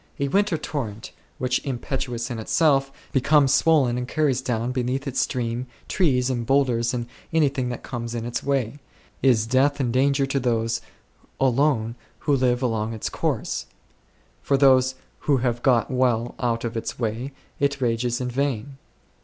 A winter torrent2, which, impetuous in itself, be comes swollen and carries down beneath its stream trees and boulders and anything that comes in its way, is death and danger to those alone who live along its course ; for those who' have got well out of its way it rages in vain.